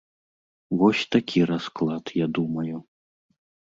Вось такі расклад, я думаю.